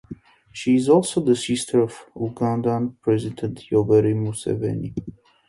She is also the sister of Ugandan president Yoweri Museveni.